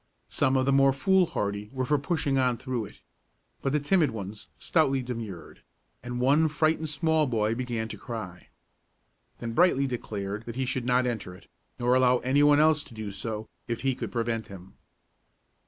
Some of the more foolhardy were for pushing on through it; but the timid ones stoutly demurred, and one frightened small boy began to cry. Then Brightly declared that he should not enter it, nor allow any one else to do so, if he could prevent him.